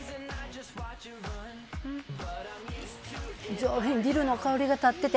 上品、ディルの香りが立ってて。